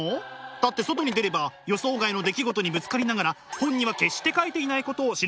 だって外に出れば予想外の出来事にぶつかりながら本には決して書いていないことを知ることがあります。